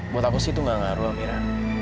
buat aku sih itu nggak ngaruh mira